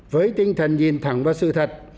với tinh thần nhìn thẳng vào sự thật